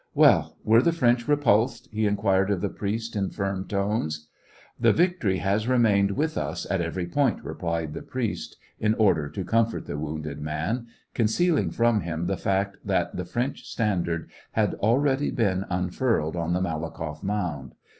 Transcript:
Well, were the French repulsed ?" he in quired of the priest, in firm tones. " The victory has remained with us at every point," replied the priest, in order to comfort the SEVASTOPOL IN AUGUST. 25 I wounded man, concealing from him the fact that the French standard had already been unfurled on the Malakoff mound.